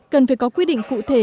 cần phải có quy định cụ thể